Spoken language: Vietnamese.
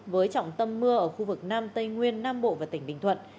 với trọng tâm mưa ở khu vực nam tây nguyên nam bộ và tỉnh bình thuận